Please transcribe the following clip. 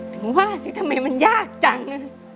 ถึงว่าสิทำไมมันยากจัง